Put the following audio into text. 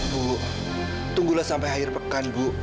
bu tunggulah sampai akhir pekan bu